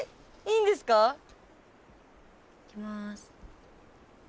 いきます。